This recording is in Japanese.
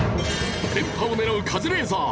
連覇を狙うカズレーザー。